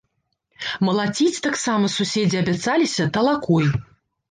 Малаціць таксама суседзі абяцаліся талакой.